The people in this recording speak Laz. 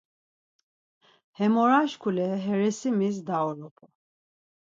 Hemoraşkule he resimis daoropu.